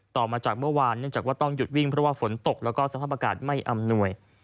ต่อมาจากเมื่อวานเนื่องจากว่าต้องหยุดวิ่งเพราะว่าฝนตกแล้วก็สภาพอากาศไม่อำนวย